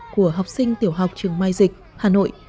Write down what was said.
của học sinh tiểu học trường mai dịch hà nội